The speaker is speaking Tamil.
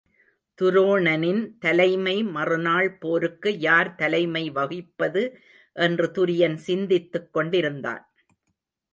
துரோணனின் தலைமை மறுநாள் போருக்கு யார் தலைமை வகிப்பது என்று துரியன் சிந்தித்துக் கொண்டிருந்தான்.